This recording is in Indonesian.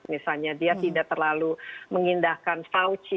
misalnya dia tidak terlalu mengindahkan fauji